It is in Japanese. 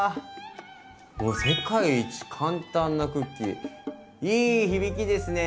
もう「世界一簡単なクッキー」いい響きですね。